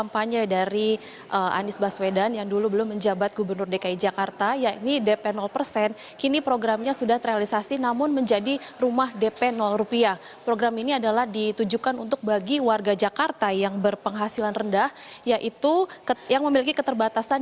pemilik dki mengatakan bahwa kemungkinan warga jakarta dki memiliki kematian